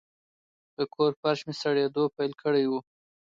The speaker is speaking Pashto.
د کور فرش مې سړېدو پیل کړی و.